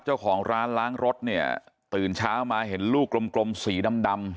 เจ้าของร้านล้างรถเนี่ยตื่นเช้ามาเห็นลูกกลมสีดำ